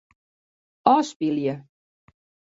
Ofspylje.